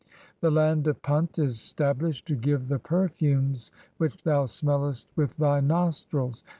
(14) The land of Punt is stahlished [to give] "the perfumes which thou smellest with thy nostrils.